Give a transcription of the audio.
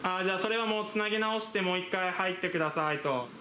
じゃあ、それはつなぎ直して、もう一回入ってくださいと。